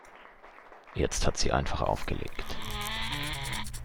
Jetzt hat sie einfach aufgelegt!